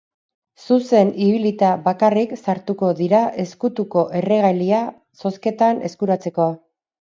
Zuzen ibilita bakarrik sartuko dira ezkutuko erregalia zozketan eskuratzeko.